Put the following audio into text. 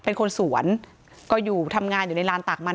ทั้งครูก็มีค่าแรงรวมกันเดือนละประมาณ๗๐๐๐กว่าบาท